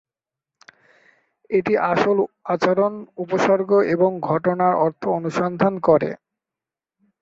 এটি আসলে আচরণ, উপসর্গ এবং ঘটনার অর্থ অনুসন্ধান করে।